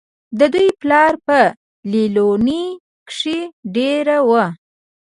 د دوي پلار پۀ ليلونۍ کښې دېره وو